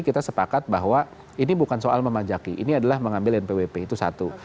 kita sepakat bahwa ini bukan soal memajaki ini adalah mengambil npwp itu satu